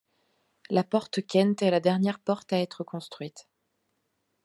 La porte Kent est la dernière porte à être construite.